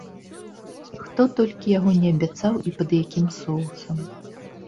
Хто толькі яго не абяцаў і пад якім соусам!